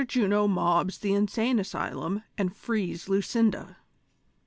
JUNO MOBS THE INSANE ASYLUM AND FREES LUCINDA.